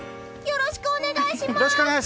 よろしくお願いします！